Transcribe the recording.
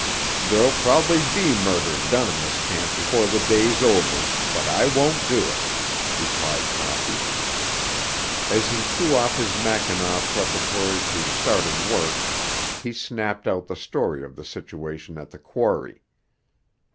"There'll probably be murder done in this camp before the day's over, but I won't do it," replied Toppy. As he threw off his mackinaw preparatory to starting work he snapped out the story of the situation at the quarry.